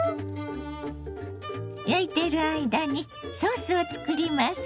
焼いている間にソースを作ります。